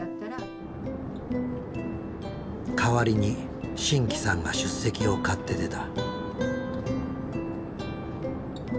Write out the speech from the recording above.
代わりに真気さんが出席を買って出た。